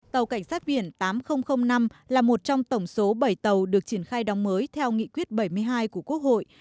tàu cảnh sát biển tám nghìn năm là một trong tổng số bảy tàu được triển khai đóng mới theo nghị quyết bảy mươi hai của quốc hội